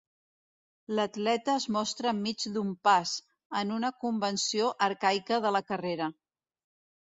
L'atleta es mostra enmig d'un pas, en una convenció arcaica de la carrera.